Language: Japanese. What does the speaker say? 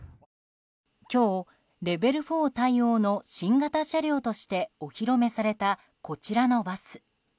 今日、レベル４対応の新型車両としてお披露目された、こちらのバス。